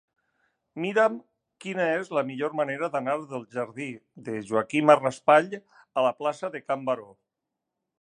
Mira'm quina és la millor manera d'anar del jardí de Joaquima Raspall a la plaça de Can Baró.